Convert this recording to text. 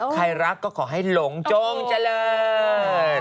ใครรักก็ขอให้หลงจงเจริญ